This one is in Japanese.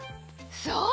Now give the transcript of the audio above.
そう！